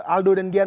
aldo dan gian